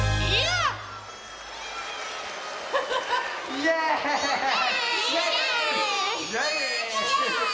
イエーイ！